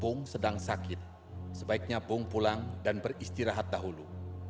bong sedang sakit sebaiknya bong pulang dan beristirahat dahulu